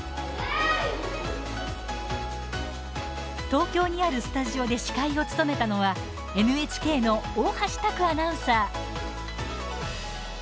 東京にあるスタジオで司会を務めたのはＮＨＫの大橋拓アナウンサー。